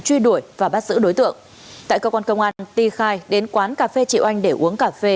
truy đuổi và bắt giữ đối tượng tại cơ quan công an ti khai đến quán cà phê chị oanh để uống cà phê